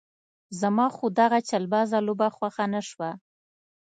زما خو دغه چلبازه لوبه خوښه نه شوه.